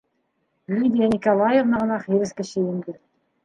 Лидия Николаевна ғына хирес кеше инде.